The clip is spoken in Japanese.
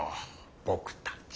僕たち。